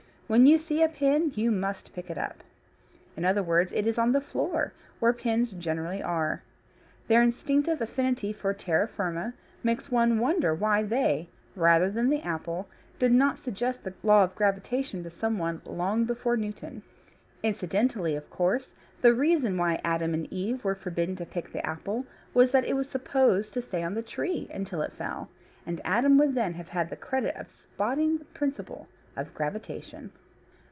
When you see a pin, you must pick it up. In other words, it is on the floor, where pins generally are. Their instinctive affinity for terra firma makes one wonder why they, rather than the apple, did not suggest the law of gravitation to someone long before Newton. Incidentally, of course, the reason why Adam and Eve were forbidden to pick the apple was that it was supposed to stay on the tree until it fell, and Adam would then have had the credit of spotting the principle of gravitation.